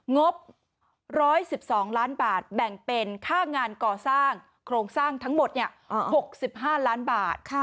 งบ๑๑๒ล้านบาทแบ่งเป็นค่างานก่อสร้างโครงสร้างทั้งหมด๖๕ล้านบาท